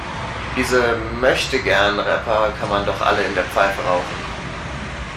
Diese Möchtegern-Rapper kann man doch alle in der Pfeife rauchen.